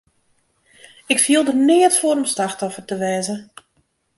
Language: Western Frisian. Ik fiel der neat foar om slachtoffer te wêze.